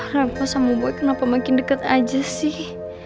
rafa sama boy kenapa makin deket aja sih